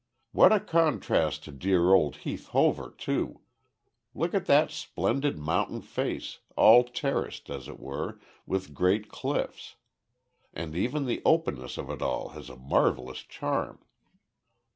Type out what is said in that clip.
"What a contrast to dear old Heath Hover, too. Look at that splendid mountain face, all terraced, as it were, with great cliffs; and even the openness of it all has a marvellous charm."